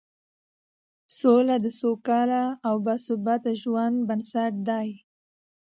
سوله د سوکاله او باثباته ژوند بنسټ دی